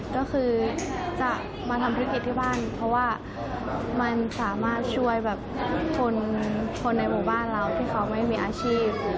ก็คือจะมาทำธุรกิจที่บ้านเพราะว่ามันสามารถช่วยแบบคนในหมู่บ้านเราที่เขาไม่มีอาชีพ